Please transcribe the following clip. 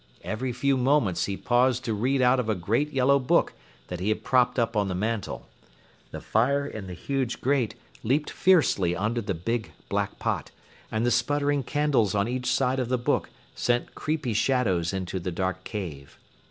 Every few moments he paused to read out of a great yellow book that he had propped up on the mantle. The fire in the huge grate leaped fiercely under the big, black pot, and the sputtering candles on each side of the book sent creepy shadows into the dark cave.